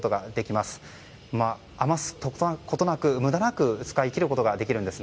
余すことなく無駄なく使い切ることができるんです。